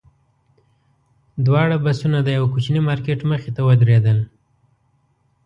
دواړه بسونه د یوه کوچني مارکېټ مخې ته ودرېدل.